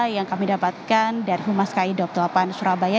yang kami dapatkan dari humas kai daop delapan surabaya